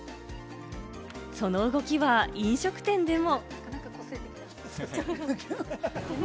その動きは飲食店でも。